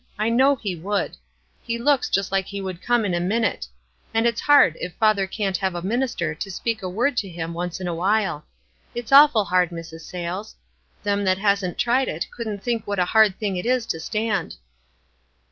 I know he would. He looks just like he would come in a minute ; and it's hard if father can't have a minister to speak a word to him once in a while. It's awful hard, Mrs. Sayles. Them that hasn't tried it couldn't think what a hard thing it is to stand."